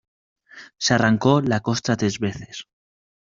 Se arrancó la costra tres veces.